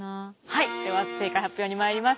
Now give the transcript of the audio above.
はいでは正解発表にまいります。